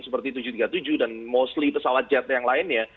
seperti tujuh ratus tiga puluh tujuh dan mostly pesawat jet yang lainnya